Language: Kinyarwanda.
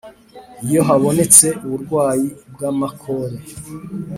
Iyo habonetse uburwayi bw amakore